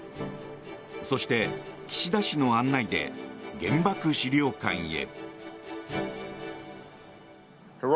そして、岸田氏の案内で原爆資料館へ。